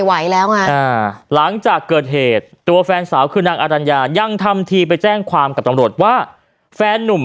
หนักกว่าเดิมครับ